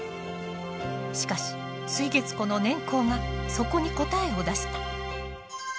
しかし水月湖の年縞がそこに答えを出した。